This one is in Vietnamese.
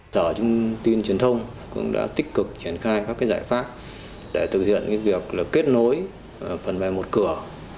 thủ tướng chính phủ đã tích cực triển khai các giải pháp để thực hiện việc kết nối phần mềm một cửa